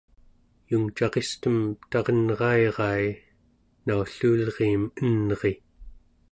yungcaristem tarenrairai naulluulriim enri